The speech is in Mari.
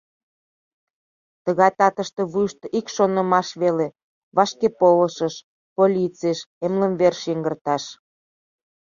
Тыгай татыште вуйышто ик шонымаш веле: «Вашкеполышыш», полицийыш, эмлымверыш йыҥгырташ».